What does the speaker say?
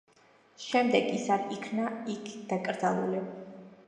შემდეგ ის არ იქნა იქ დაკრძალული.